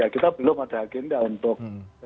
kita belum ada agenda untuk